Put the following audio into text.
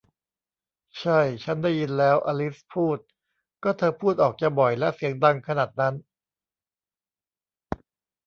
ใช่ ชั้นได้ยินแล้ว อลิซพูด ก็เธอพูดออกจะบ่อยและเสียงดังขนาดนั้น